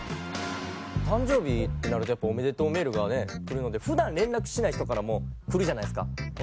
誕生日ってなるとおめでとうメールが来るので普段連絡しない人からも来るじゃないですか。